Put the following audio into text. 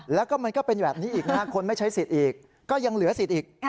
แล้วก็มันก็เป็นแบบนี้อีกนะครับคนไม่ใช้สิทธิ์อีกก็ยังเหลือสิทธิ์อีก